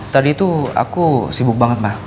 tadi tuh aku sibuk banget ma